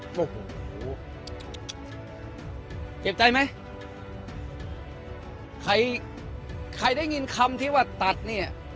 โอ้โหเจ็บใจไหมใครใครได้ยินคำที่ว่าตัดเนี่ย